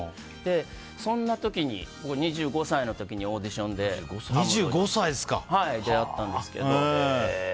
そんな時に僕、２５歳の時オーディションでアムロと出会ったんですけど。